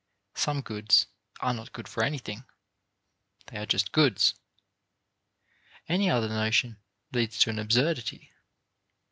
Some goods are not good for anything; they are just goods. Any other notion leads to an absurdity.